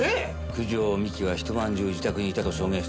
九条美紀は一晩中自宅にいたと証言している。